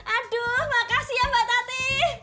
aduh makasih ya mbak tati